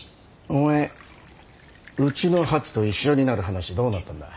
お前うちの初と一緒になる話どうなったんだ。